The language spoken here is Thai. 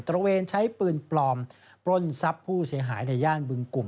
ระเวนใช้ปืนปลอมปล้นทรัพย์ผู้เสียหายในย่านบึงกลุ่ม